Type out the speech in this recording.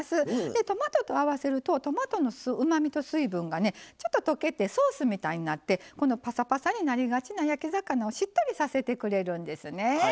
でトマトと合わせるとトマトのうまみと水分がねちょっと溶けてソースみたいになってぱさぱさになりがちな焼き魚をしっとりさせてくれるんですね。